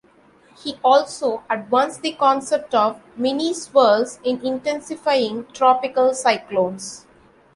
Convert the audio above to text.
He also advanced the concept of mini-swirls in intensifying tropical cyclones.